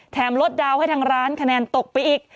ลดดาวน์ให้ทางร้านคะแนนตกไปอีก